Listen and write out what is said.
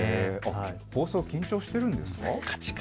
放送、緊張してるんですか。